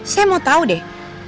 saya mau tau deh